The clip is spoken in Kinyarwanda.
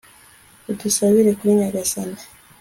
udusabire kuri nyagasani